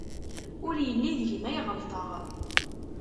Ur yelli deg-m ay ɣelṭeɣ.